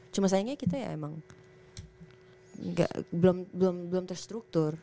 cuma sayangnya kita ya emang belum terstruktur